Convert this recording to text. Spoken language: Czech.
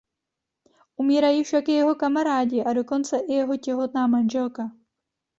Umírají však i jeho kamarádi a dokonce i jeho těhotná manželka.